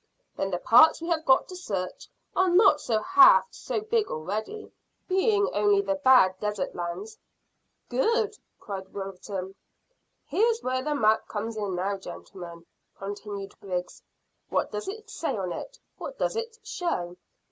"Then the parts we have got to search are not half so big already, being only the bad desert lands." "Good," cried Wilton. "Here's where the map comes in now, gentlemen," continued Griggs. "What does it say on it what does it show?"